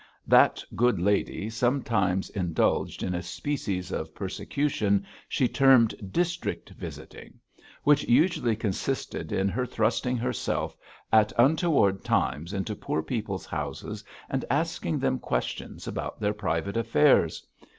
That good lady sometimes indulged in a species of persecution she termed district visiting, which usually consisted in her thrusting herself at untoward times into poor people's houses and asking them questions about their private affairs.